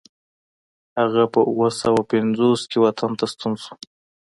هغه په اوه سوه پنځوس کې وطن ته ستون شو.